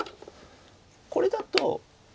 これだと。